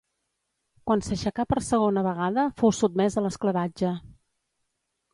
Quan s'aixecà per segona vegada fou sotmés a l'esclavatge.